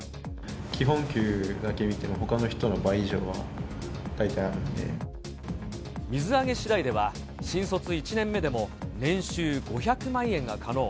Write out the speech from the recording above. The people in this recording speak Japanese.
基本給だけ見ても、水揚げしだいでは、新卒１年目でも年収５００万円が可能。